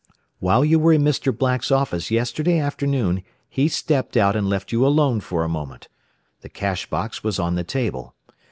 "While you were in Mr. Black's office yesterday afternoon he stepped out and left you alone for a moment. The cash box was on the table.